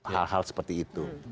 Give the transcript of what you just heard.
hal hal seperti itu